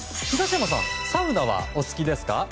東山さんサウナはお好きですか？